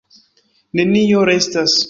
Nenio restas.